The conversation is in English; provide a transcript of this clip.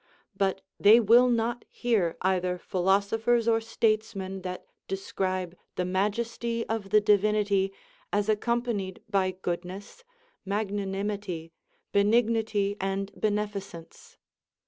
But they will not hear either philosophers or statesmen that describe the majesty of the Divinity as accompanied by goodness, magnanimity, benignity, and beneficence.